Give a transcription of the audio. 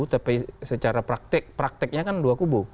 tapi secara praktik praktiknya kan dua kubu